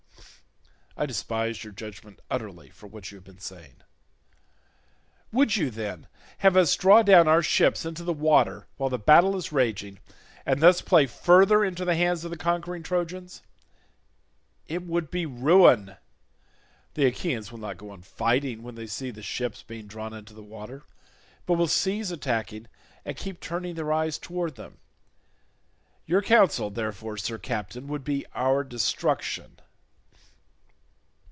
I despise your judgement utterly for what you have been saying. Would you, then, have us draw down our ships into the water while the battle is raging, and thus play further into the hands of the conquering Trojans? It would be ruin; the Achaeans will not go on fighting when they see the ships being drawn into the water, but will cease attacking and keep turning their eyes towards them; your counsel, therefore, sir captain, would be our destruction."